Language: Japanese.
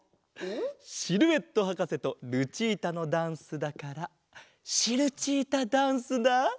シルエットはかせとルチータのダンスだからシルチータダンスだ！